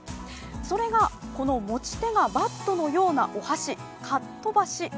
それがこの持ち手がバットのようなお箸、かっとばし！！